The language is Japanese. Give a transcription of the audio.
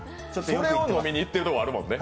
それを飲みに行ってるところあるもんね。